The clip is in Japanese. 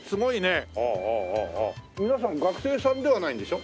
皆さん学生さんではないんでしょ？